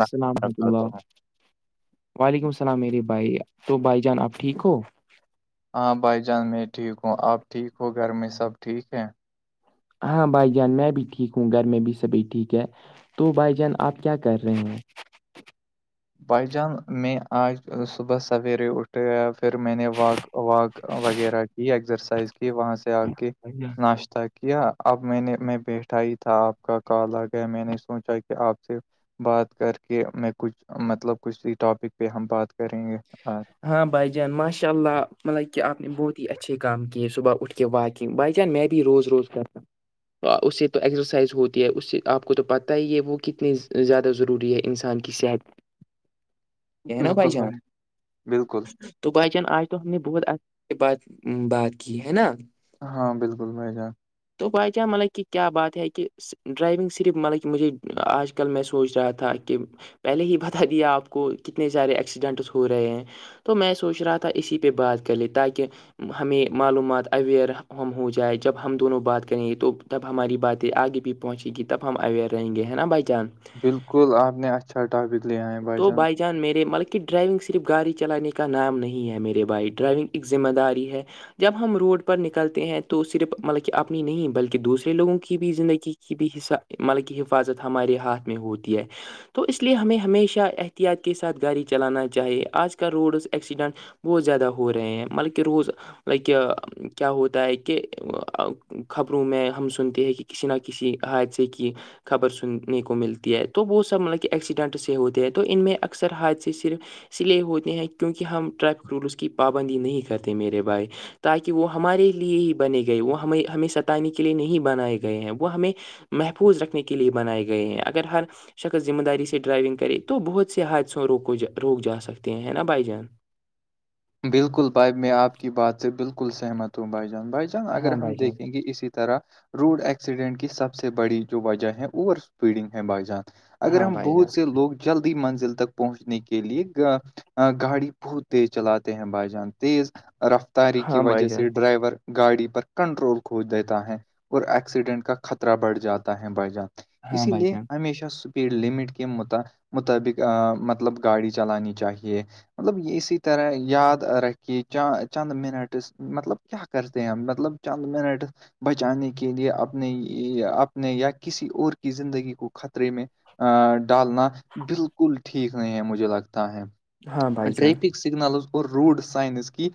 السلام وورحمت اللہ ہوں وعلیکم السلام عیری بھائی تو بھائی جان آپ ٹھیک ہو ہاں بائی جانس میں ٹھیک ہوں آپ ٹھیک ہو گھر میں سب ٹھیک ہے ہاں بھائی جان میں بھی ٹھیک ہوں گھر میں بھی سبھی ٹھیک ہے تو بھائی جان آپ کیا کر رہے ہیں بھائی جان میں آج صبح سویرے اٹھے پھر میں نے واک واک وغیرہ یہ ایکسرسائز کی وہاں سے آ کے ہیں ناشہ کیا اب میں نے میں بیٹھا ہی تھا آپ کا کال آ گیا میں نے سوچا کہ آپ سے بات کر کے میں کچھ مطلب کچھ ٹاپک پہ ہم بات کریں گے ہاں بھائی جان ماشاء اللہ مطلب کہ آپ نے بہت ہی اچھے کام کیے صبح اٹھ کے وا بائی جان می بھی روز روز گم تو اس سے تو ایکسرسائز ہوتی ہے اس سے آپ کو تو پت ہی یہ وہ کتنی زیادہ ضروری ہے انسان سب بالکل ب بالکل تو بھائی جان آج تو ہم نے بہت اچھے سے بات بات کی ہے نا ہاں بالکل بھائی جان تو بائی کیا مطلب کہ کیا بات ہے کہ ڈرائیونگ صرف مطلب کہ مجھے آج کل میں سوچ رہا تھا کہ پہلے ہی بتا دیا آپ کو کتنے سارے ایکسیڈنٹس ہو رہے ہیں تو میں سوچ رہا تھا اسی پہ بات کر لے تاکہ ہمیں معلومات اویئر ہم ہو جائے جب ہم دونوں بات کریں گے تو تب ہماری باتیں آگے بھی پہنچے گی تب ہم اویئر رہیں گے ہیں نا ب جان بالکل آپ نے اچھا ٹاپک لیا ہے بھائی جان [unintelligible] مل ک ڈرائیونگ صرف گاڑی چلانے کا نام نہیں ہے میرے بھائی ڈرائیونگ ایک ذمہ داری ہے جب ہم روڈ پر نکلتے ہیں تو صرف مطلب کہ اپنی نہیں بلکہ دوسرے لوگوں کی بھی زندگی کی کی بھی حس مطلب کہ حفاظت ہمارے ہاتھ میں ہوتی ہے تو اس لیے ہمیں ہمیشہ احتیاط کے ساتھ گاڑی چلانا چاہیے آج کل روڈز ایکسیڈنٹ بہت زیادہ ہو رہے ہیں مطلب کہ روز لائک کیا ہوتا ہے کہ خبروں میں ہم سنتے ہیں کہ کسی نہ کسی حادثے کی خبر سننے کو ملتی ہے تو وہ سب مطلب کہ ایکسیڈنٹ سے ہوتے ہیں تو ان میں اکثر حادث صرف اس لیے ہوتے ہیں کیونکہ ہم ٹریفک رولس کی پابندی نہیں کرتے میرے بھائی تاکہ وہ ہمارے لیے ہی بنے گئے وہ ہمیں ہمیں ستانے کے لیے نہیں بنائے گئے ہیں وہ ہمیں محفوظ رکھنے کے لیے بنائے گئے ہیں اگر ہر شکص ذمہ داری سے ڈرائیونگ کرے تو بہت سے حادثوں روک جا سکتے ہیں نا بھائی جان بالکل بھائی میں آپ کی بات سے بالکل سہمت ہوں بھائی جان بھائی جان اگر ہاں ہم بھائی جان دیکھیں گے اسیح طرح روڈ ایکسیڈنٹ کی سب سے بڑی جو وجہ ہے اوور اسپیڈنگ ہے بائی جان اگر ہاں ہم بھائی جان بہت سے لوگ جلدی منزل تک پہنچنے کے لیے گاڑی بہت تیز چلاتے ہیں بائی جان تیز رفتاری کی ہاں بھائی وجہ جان سے ڈرائیور گاڑی پر کنٹرول کھوج دیتا ہے اور ایکسیڈنٹ کا خطرہ بڑھ جاتا ہے بائی جان ہاں اسی بھائی لیے جان ہمیشہ یڈ لٹ کے مطابق مطلب گاڑی چلانی چاہیے مطلب یہی طیرح یاد ررکھ کہ چند منٹس مطلب کیا کرتے ہم مطلب چند منٹس بچانے کے لیے اپنے اپنے یا کسی اور کی زندگی کو خطرے میں ا ڈالنا بالکل ٹھیک نہیں ہے مجھے لگتا ہے ہاں بھائی جان ٹریفک سگنلز اور روڈ سائنز کی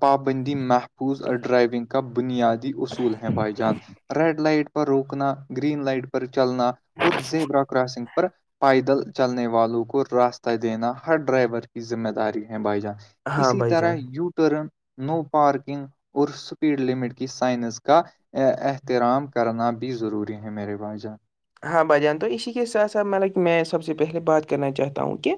پابندی محفوظ ڈرائیونگ کا بنیادی اصول ہیں بھائی جان ریڈ لائٹ پر روکنا گرین لائٹ پر چلنا اور زیبرا کراسنگ پر پائیدل چلنے والوں کو راستہ دینا ہر ڈرائیور کی ذمہ داری ہے بھائی جان ہاں اسی بھائی طرح جان یو ٹرن نو پارکنگ اور اسپیڈ لمٹ کی سائنس کا ا احترام کرنا بھی ضروری ہے میرے باائی جان ہاں بھائی جان تو اسی کے ساتھ ساتھ میں لائ میں سب سے پہلے بات کرنا چاہتا ہوں کہ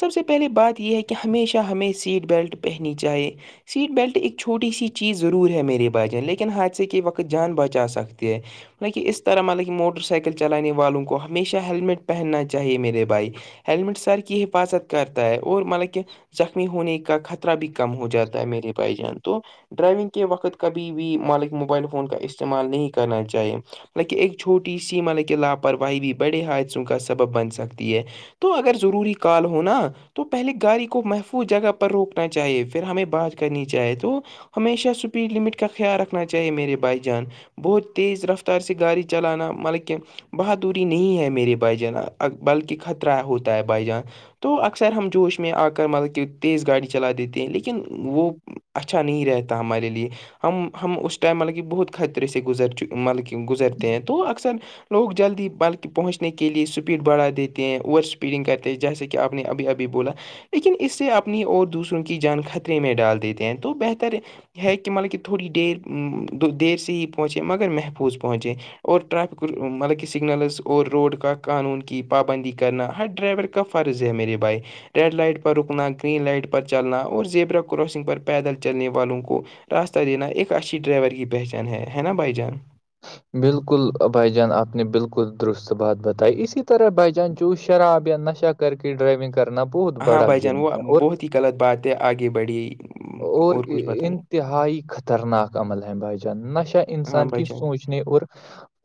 سب سے پہلے بات یہ ہے کہ ہمیشہ ہمیں سیٹ بیلٹ پہنی چاہیے سیٹ بیلٹ ایک چھوٹی سی چیز ضرور ہے میرے ب جان لیکن حادثے کے وقت جان بچا سکتے ہے م کہ اس طرح مطلب کہ موٹر سائیکل چلانے والوں کو ہمیشہ ہیلمٹ پہننا چاہیے میرے بھائی ہیللمٹ سر کی حفاظت کرتا ہے اور مطلب کہ زخمی ہونے کا خطرہ بھی کم ہو جاتا ہے میرے بھائی جان تو ڈرائیونگ کے وقت کبھی بھی مالک موبائل فون کا استعمال نہیں کرنا چاہیے لہ ایک چھوٹی سی مطلبک لاپرواہی بھی بڑے حادثوں کا سبب بن سکتی ہے تو اگر ضروری کال ہوناا تو پہلے گاڑی کو محفوظ جگہ پر روکنا چاہیے پھر ہمیں بات کرنی چاہے تو ہمیشہ اسپیڈ لمٹ کا خیال رکھنا چاہیے میرے بھائی جان بہت تیز رفتار سے گاڑی چلانا مطلب کہ بہادری نہیں ہے میرے بھائی جان بلکہ خطرہ ہوتا ہے بھائی جان تو اکثر ہم جوش میں آ کر مطلب کہ تیز گاڑی چلا دیتے ہیں لیکن وہ اچھا نہیں رہتا ہمارے لیے ہم ہم اس ٹائم مطلب کہ بہت خطرے سے گزر چ مطلب کہ گزرتے ہیں تو اکثر لوگ لوگ جلدی بلکہ پہنچنے کے لیے اسپیڈ بڑھا دیتے ہیں اوور اسپیڈنگ کرتے ہیں جیسے کہ آپ نے ابھی ابھی بولا لیکن اس سے اپنی اور دوسروں کی جان خطرے میں ڈال دیتے ہیں تو بہتر ہے کہ مطلب کہ تھوڑی دیر دیر سے ہی پہنچے مگر محفوظ پہنچے اور ٹریفک مطلب کہ سگنلز اور روڈ کا قانون کی پابندی کرنا ہر ڈرائیور کا فرض ہے میرے بھائی ریڈ لائٹ پر رکنا گرین لائٹ پر چلنا اور زیبرا کراسنگ پر پیدل چلنے والوں کو راستہ دینا ایک اچھی ڈرائیور کی پہچان ہے ہے نا بھائی جان بالکل بھائی جان آپ نے بالکل درست بات بتائی اسی طرح بائی جان چس شراب یا نش اچھا کر کے ڈرائیونگ کرنا بہت ہاں بڑا بھائی جان جرم وہ ہے اور بہت ہی غلط بات ہے آگے بڑھی اور انتہائی خطرناک عمل ہیں بھائی جان نہشا ہاں انسان بھائی کی سوچ جان پوچھنے اور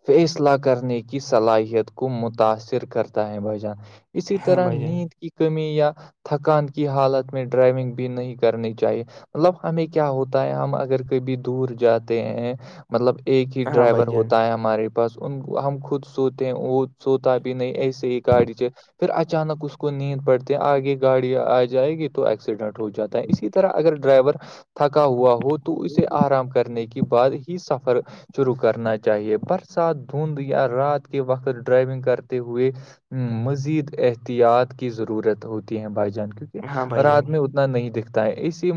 فیصلہ کرنے کی صلاحیت کو متاثر کرتا ہے بھ جان اسی ہاں طرح بھائی جان نیند کی کمی یا تھکان کی حالت میں ڈرائیونگ بھی نہیں کرنی چاہیے مطلب ہمیں کیا ہوتا ہے ہم اگر کبھی دور جاتے ہیں مطلب ایک ہاں ڈرائیور بھائی جان ہوتا ہے ہمارے بس ان ہم خود سوتے ہیں وہ سوتا بھی نہیں ایسے ہی گاڑی جو پھر اچانک اس کو نیند پڑتے آگے گاڑی آ جائے گی تو ایکسیڈنٹ ہو جاتا اسی طرح اگر ڈرائیور تھکا ہوا ہو تو تو اسے آرام کرنے کے بعد ہی سفر شروع کرنا چاہیے برسات دھند یا رات کے وقت ڈرائیونگ کرتے ہوئے مزید احتیاط کی ضرورت ہوتی ہے بھائی جان ہاں کیونکہ بھائی جان رات میں ا نہیں دکھتا ہے اسی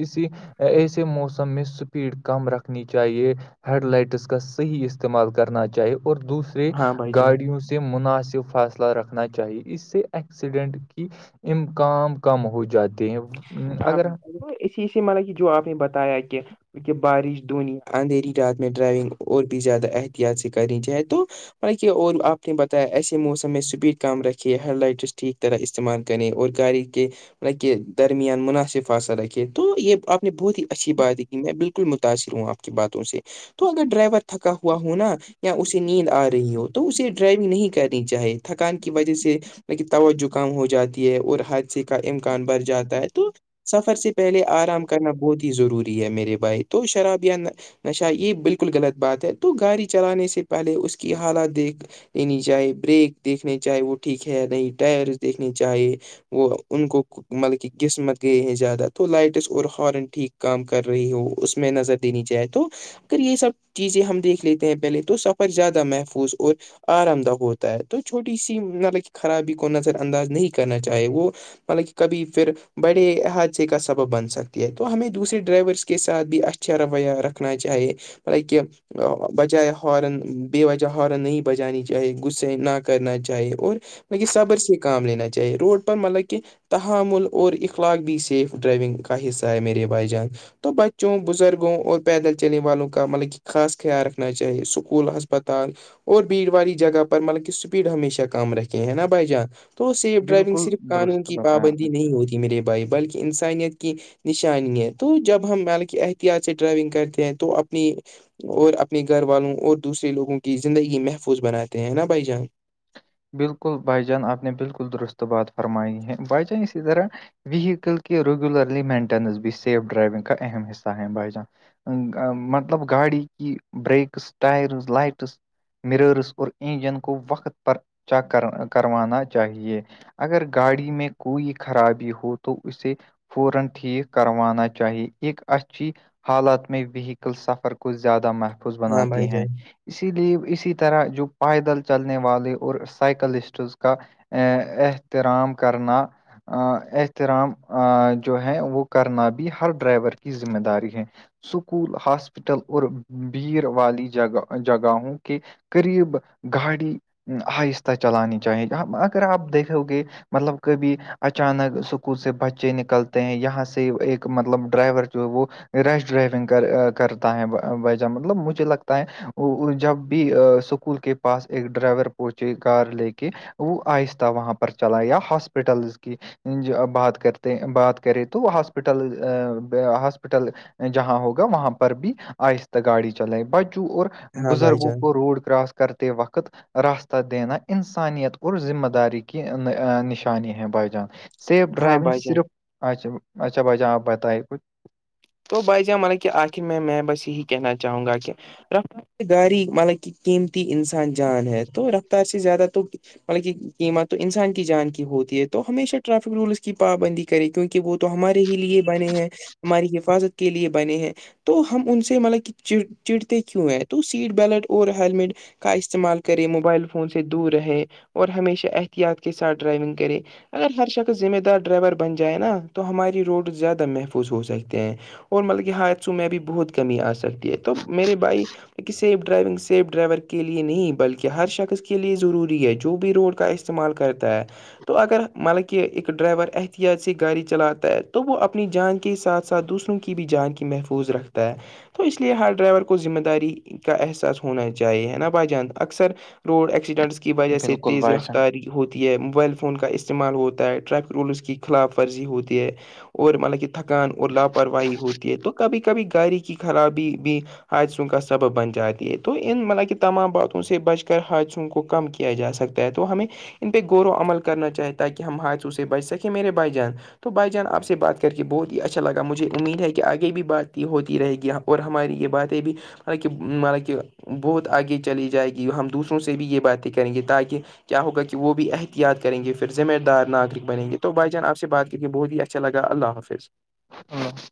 اسی ایسے موسم میں سپیڈ کم رکھنی چاہیے ہیڈ لائٹس کا صحیح استعمال کرنا چاہیے اور دوسرے ہاں بھائی جان گاڑیوں سے مناسب فاصلہ رکھنا چاہیے اس سے ایکسیڈنٹ کی امکان کم ہو جاتے ہیں ہاں اگر وہ اسی اسی مل کہ جو آپ نے بتایا کہ کیکہ بارش دونی اندھیری رات میں ڈرائیونگ اور بھی زیادہ احتیاط سے کرنی چاہے تو مط کہ اور آپ نے بتایا ایسے موسم میں اسپیڈ کم رکھی ہیڈ لائٹرس ٹھیک طرح استعمال کریں اور گااری کے مطلب کہ درمیان مناسف فاصل رکھے تو یہ آپ نے بہت ہی اچھی بات کی میں بالکل متاثر ہوں آپ کی باتوں سے تو اگر ڈرائیور تھکا ہوا ہو نا یا اسے نیند آ رہی ہو تو اسے ڈرائیونگ نہیں کرنی چاہی تھکان کی وجہ سے لیکن توجکام ہو جاتی ہے اور حادثے کا امکان بر جاتا ہے تو سفر سے پہلے آرام کرنا بہت ہی ضروری ہے میرے بھائی تو شراب یا نشا یہ بالکل غلط بات ہے تو گاڑی چلانے سے پہلے اس کی حالت دیکھ یہ نہیں چاہے بریک دیکھنے چاہے وہ ٹھیک ہے نہیں ٹائر دیکھنے چاہے وہ ان کو مطب قسمت گئے ہیں زیادہ تو لائٹس اور ہارن ٹھیک کام کر رہی ہو اس میں نظر دینی جائے تو اگر یہ سب چیزیں ہم دیکھ لیتے ہیں پہلے تو سفر زیادہ محفوظ اور آرام دہ ہوتا ہے تو چھوٹی سی مطلب خرابی کو نظر انداز نہیں کرنا چاہے وہ مطب کہ کبھی پھر بڑے حادثے کا سبب بن سکتی ہے تو ہمیں دوسرے ڈرائیورس کے ساتھ بھی اچھا اچھا رویہ رکھنا چاہیے لطائ کہ بجائے ہارن بے وجہ ہارن نہیں بجانی چاہے غصے نہ کرنا چاہیے اور مطلب صبر سے کام لینا چاہیے روڈ پر مطلب کہ تحامل اور اخلاق بھی سیف ڈرائیونگ کا حصہ ہے میرے بھائی جان تو بچوں بزرگوں اور پیدل چلنے والوں کا مطلب کہ خاص خیال رکھنا چاہیے اسکول ہسپتال اور بھیڑ والی جگہ پر مطلب کہ اسپیڈ ہمیشہ کم رکھے ہیں نا بھائی جان تو سیف ڈرائیونگ بالکل صرف قانون درست کی بتایا آپ پابندی نے نہیں ہوتی میرے بھائی بلکہ انسانیت کی نشانی ہے تو جب ہم ح احتیاط سے ڈرائیونگ کرتے ہیں تو اپنی اور اپنے گھر والوں اور دوسرے لوگوں کی زندگی محفوظ بناتے ہیں نا بھائی جان بالکل بھائی جان آپ نے بالکل درست بات فرمائی ہے بھائی جان اسی طرح وییکل کے ریگولرلی مینٹینس بھی سیف ڈرائیونگ کا اہم حصہ ہے بھای جان مطلب گاڑی کی برییکس ٹائرز لائٹس مررس اور انجن کو وقت پر چیک کر کروانا چاہیے اگر گاڑی میں کوئی خرابی ہو تو اسے پورن ٹھیک کروانا چاہیے ایک اچھی حالات میں وہیکل سفر کو زیادہ مح و ہاں بھائی بناتی ہیں جان اسی لیے اسی طرح جو پائیدل چلنے والے اور سائیکلسٹز کا احترام کرنا احترام جو ہے وہ کرنا بھی ہر ڈرائیور کی ذمہ داری ہے سکول ہاسپٹل اور بھیڑ والی جگہ جگہوں کے قریب گاڑی آہستہ چلانی چاہیے اگر آپ دیکھو گے مطلب کبھی اچانک سکول سے بچے نکلتے ہیں یہاں سے ایک مطلب ڈرائیور جو ہے وہ ریش ڈرائیونگ کرتا ہے وجہ مطلب مجھے لگتا ہے جب بھی س اسکول کے پس ایک ڈرائیور پچے گار لے کے وہ آہستہ وہاں پر چلا یا ہاسپٹل کی بات کرتے بات کرے تو ہاسپٹل ہاسپٹل جہاں ہوگا وہاں پر بھی آہستہ گاڑی چلائے بجو اور ہاں بھائی بزرگوں جان کو روڈ کراس کرتے وقت راستہ دینا انسانیت اور ذمہ داری کی نشانی ہے بھائی جان سیف ہاں ڈرائیونگ بھائی جان صرف اچھا اچھا بھائی جان آپ بتائائی کچھ تو بھائی ج مانب کہ آخر میں میں بس یہی کہنا چاہوں گا کہ رفتار سے گاری مطلب کہ قیمتی انسان جان ہے تو رفتار سے زیادہ تو مطلب کہ قیمت تو انسان کی جان کی ہوتی ہے تو ہمیشہ ٹریفک رولس کی پابندی کرے کیونکہ کہ وہ تو ہمارے ہی لیے بنے ہیں ہماری حفاظت کے لیے بنے ہیں تو ہم ان سے مطلب کہ چڑتے کیوں ہے تو سیٹ بیلٹ اور ہیلمٹ کا استعمال کرے موبائل فون سے دور رہے اور ہمیشہ احتیاط کے ساتھ ڈرائیونگ کرے اگر ہر شخص ذمہ دار ڈرائیور بن جائے نا تو ہماری روڈ زیادہ محفوظ ہو سکتی ہیں اور مطلب کہ حادثوں میں بھی بہت کمی آ سکتی ہے تو میرے بھائی سیف ڈرائیونگ سیف ڈرائیور کے لیے نہیں بلکہ ہر شخص کے لیے ضروری ہے جو بھی روڈ کا اس استعمال کرتا ہے تو اگر مطلب کہ ایک ڈرائیور احتیاط سی گاڑی چلاتا ہے تو وہ اپنی جان کے ساتھ کا دوسروں کی بھی جان کی محفوظ رکھتا ہے تو اس لیے ہر ڈرائیور کو ذمہ داری کا احساس ہونا چاہیے نا بھائی جان اکثر روڈ ایکسیڈنٹس کی وجہ سے بالکل تیز بھائی رفتاری ہوتی ہے موبائل فون کا استعمال ہوتا ہے ٹریفک رولز کی خلاف ورزی ہوتی ہے اور مطلب کہ تھکان اور لاپرواہی ہوتی ہے تو کبھی کبھی گاڑی کی خرابی بھی ہائسون کا سبب بن جاتی ہے تو ان مطلب کہ تمام باتوں سے بچ کر ہائسون کو کم کیا کیا جا سکتا ہے تو ہمیں ان پہ غور و عمل کرنا چاہے تاکہ ہم ہاتھوں سے بچ سکیں میرے بائی جان تو بائی جان آپ سے بات کر کے بہت ہی اچھا اچھا لگا مجھے امید ہے کہ آگے بھی بات ہوتی رہے گی اور ہماری یہ باتیں بھی حالانکہ مانا کہ بہت آگے چلی جائے گی ہم دوسروں سے بھی یہ باتیں کریں گے تاکہ کیا ہوگا کہ وہ بھی احتیاط کریں گے پھر ذمہ دار ناگرک بیں گے تو بھائی جان آپ سے بات کر کے بہت ہی اچھا اچھا لگا اللہ حافظ ہاں [unintelligible]